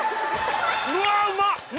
うわうまっ！